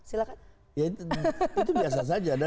itu biasa saja